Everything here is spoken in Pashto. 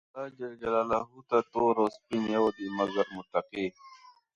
الله ج ته تور او سپين يو دي، مګر متقي.